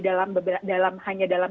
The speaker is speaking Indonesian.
hanya dalam jalan jalan